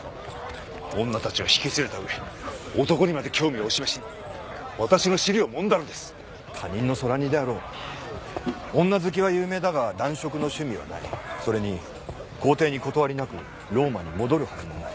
女たちを引き連れた上男にまで興味をお示しに私の尻を揉んだのです他人のそら似であろう女好きは有名だが男色の趣味はないそれに皇帝に断りなくローマに戻るはずもない